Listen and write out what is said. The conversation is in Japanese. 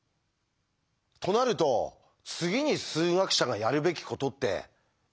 となると次に数学者がやるべきことって一体何だと思います？